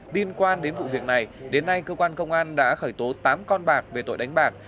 liên quan đến vụ việc này đến nay cơ quan công an đã khởi tố tám con bạc về tội đánh bạc